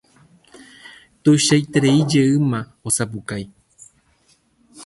Tuichaitereijeýma osapukái.